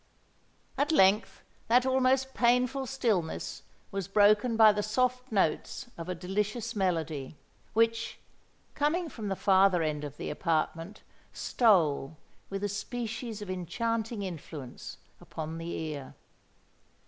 At length that almost painful stillness was broken by the soft notes of a delicious melody, which, coming from the farther end of the apartment, stole, with a species of enchanting influence, upon the ear.